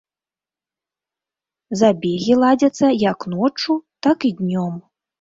Забегі ладзяцца як ноччу, так і днём.